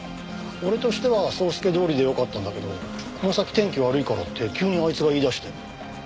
俺としては総スケどおりでよかったんだけどこの先天気悪いからって急にあいつが言い出して。